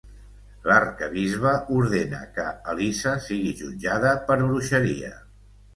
L'arquebisbe ordena que Elisa sigui jutjada per bruixeria.